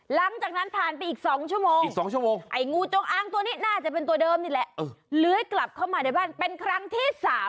หลังจากนั้นผ่านไปอีก๒ชั่วโมงอีก๒ชั่วโมงไอ้งูจงอ้างตัวนี้น่าจะเป็นตัวเดิมนี่แหละเลื้อยกลับเข้ามาในบ้านเป็นครั้งที่๓